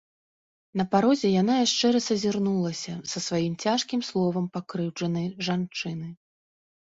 На парозе яна яшчэ раз азірнулася са сваім цяжкім словам пакрыўджанай жанчыны.